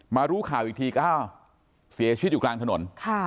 รู้ข่าวอีกทีอ้าวเสียชีวิตอยู่กลางถนน